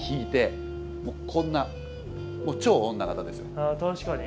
あっ確かに。